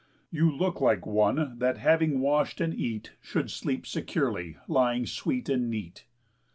You look like one that having wash'd and eat Should sleep securely, lying sweet and neat.